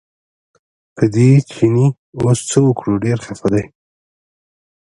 په دې چیني اوس څه وکړو ډېر خپه دی.